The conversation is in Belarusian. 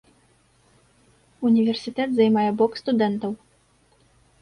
Універсітэт займае бок студэнтаў.